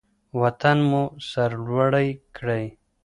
وطن مو سرلوړی کړئ.